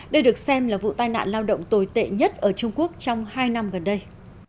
đây được xem là vụ tai nạn lao động tồi tệ nhất ở trung quốc trong hai năm gần đây